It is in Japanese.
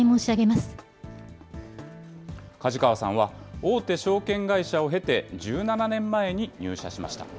ま梶川さんは、大手証券会社を経て、１７年前に入社しました。